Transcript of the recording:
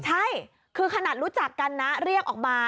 ใช่คือขนาดรู้จักกันนะเรียกออกมา